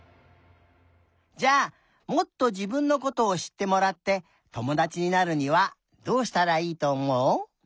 じゃあもっとじぶんのことをしってもらってともだちになるにはどうしたらいいとおもう？